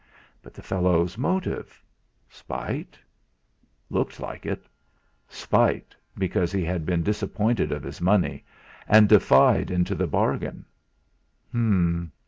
But the fellow's motive? Spite? Looked like it. Spite, because he had been disappointed of his money, and defied into the bargain!